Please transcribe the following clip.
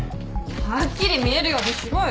はっきり見えるようにしろよ。